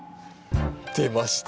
出ました